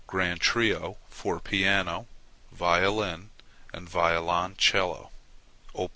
Grand Trio for piano, violin, and violoncello [Op.